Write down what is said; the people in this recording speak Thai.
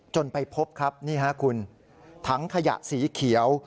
ไปพบครับนี่ฮะคุณถังขยะสีเขียว